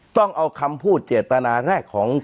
ต้องเอาคำพูดเจตนาแรกของ